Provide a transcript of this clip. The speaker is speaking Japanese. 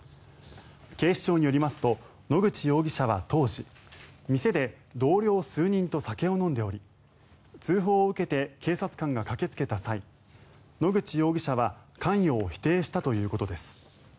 警視庁によりますと野口容疑者は当時店で同僚数人と酒を飲んでおり通報を受けて警察官が駆けつけた際野口容疑者は関与を否定したということです。